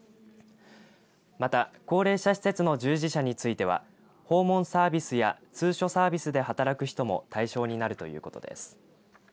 また高齢者施設の従事者については訪問サービスや通所サービスで働く人も対象になるということです。